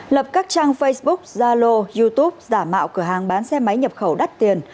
lập các trang facebook zalo youtube giả mạo cửa hàng bán xe máy nhập khẩu đắt tiền